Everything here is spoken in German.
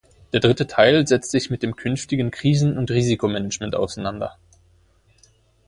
Der dritte Teil setzt sich mit dem künftigen Krisen- und Risikomanagement auseinander.